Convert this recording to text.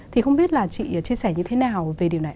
thì không biết là chị chia sẻ như thế nào về điều này